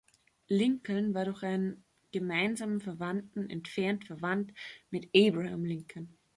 Lincoln war durch einen gemeinsamen Verwandten entfernt verwandt mit Abraham Lincoln.